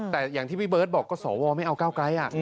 แต่อย่างที่พี่เบิร์ตบอกก็สวไม่เอาก้าวไกล